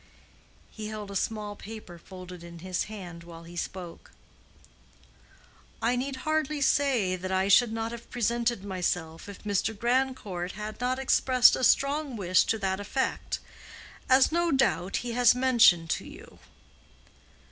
He held a small paper folded in his hand while he spoke. "I need hardly say that I should not have presented myself if Mr. Grandcourt had not expressed a strong wish to that effect—as no doubt he has mentioned to you."